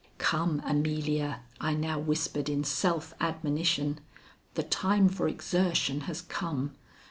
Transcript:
"Come, Amelia," I now whispered in self admonition, "the time for exertion has come.